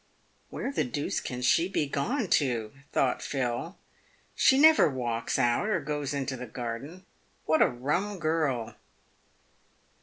u Where the deuce can she be gone to ?" thought Phil; " she never walks out, or goes into the garden. What a rum girl!"